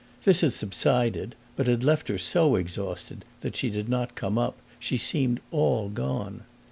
This had subsided but had left her so exhausted that she did not come up: she seemed all gone.